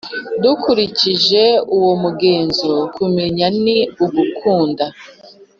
dukurikije uwo mugenzo, kumenya ni ugukunda.